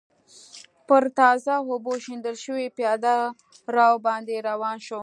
پر تازه اوبو شیندل شوي پېاده رو باندې روان شوم.